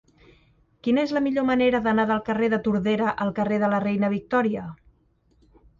Quina és la millor manera d'anar del carrer de Tordera al carrer de la Reina Victòria?